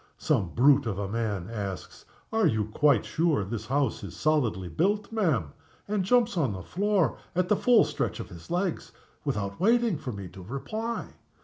Some brute of a man asks, 'Are you quite sure this house is solidly built, ma'am?' and jumps on the floor at the full stretch of his legs, without waiting for me to reply.